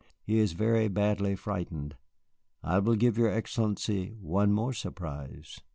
He is very badly frightened. I will give your Excellency one more surprise."